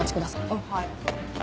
あっはい。